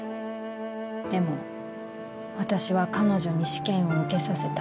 でも私は彼女に試験を受けさせた。